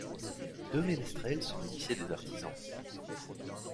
Deux ménestrels se munissaient des artisans.